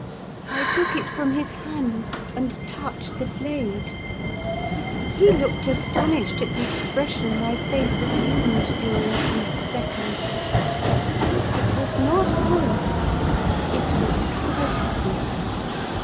I took it from his hand, and touched the blade. He looked astonished at the expression my face assumed during a brief second: it was not horror, it was covetousness.